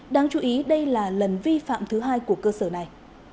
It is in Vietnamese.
đáng chú ý đây là lần vi phạm thứ hai của cơ sở này